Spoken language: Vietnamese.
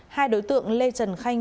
hai đối tượng lê trần khanh